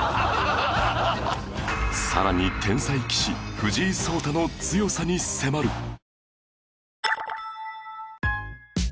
更に天才棋士藤井聡太の強さに迫る